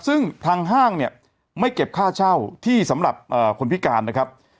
ซึ่งทางห้างเนี่ยไม่เก็บค่าเช่าที่สำหรับคนพิการนะครับ